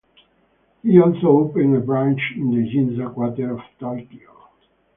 He also opened a branch in the Ginza quarter of Tokyo.